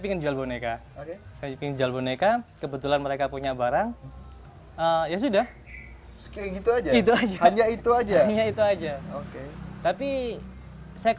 isinya bantal leher